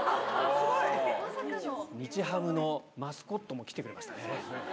日ハムのマスコットも来てくれましたね。